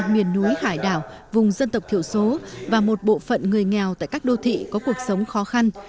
miền núi hải đảo vùng dân tộc thiểu số và một bộ phận người nghèo tại các đô thị có cuộc sống khó khăn